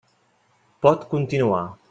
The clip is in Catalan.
Pot continuar.